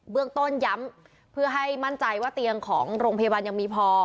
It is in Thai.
เรื่องต้นย้ำเพื่อให้มั่นใจว่าเตียงของโรงพยาบาลยังมีพอ